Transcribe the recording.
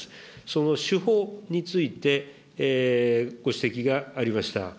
その手法について、ご指摘がありました。